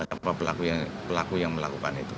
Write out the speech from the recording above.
siapa pelaku yang melakukan itu